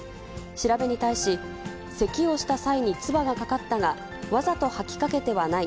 調べに対し、せきをした際に唾がかかったが、わざと吐きかけてはない。